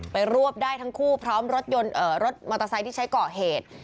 รวบได้ทั้งคู่พร้อมรถมอเตอร์ไซค์ที่ใช้ก่อเหตุ